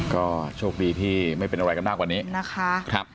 ก็โชคดีที่ไม่เป็นอะไรกันมากกว่านี้นะคะ